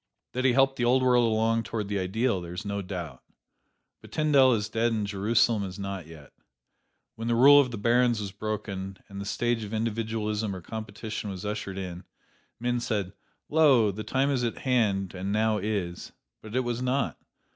That he helped the old world along toward the ideal there is no doubt; but Tyndall is dead and Jerusalem is not yet. When the rule of the barons was broken, and the stage of individualism or competition was ushered in, men said, "Lo! The time is at hand and now is." But it was not.